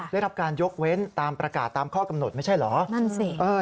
ได้รับการยกเว้นตามประกาศตามข้อกำหนดไม่ใช่เหรอนั่นสิเออ